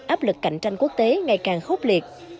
áp lực cạnh tranh quốc tế ngày càng khốc liệt